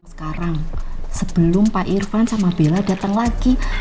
sekarang sebelum pak irfan sama bella datang lagi